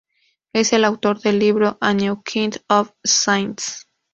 Es el autor del libro" A New Kind of Science.